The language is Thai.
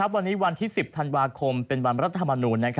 วันนี้วันที่๑๐ธันวาคมเป็นวันรัฐธรรมนูล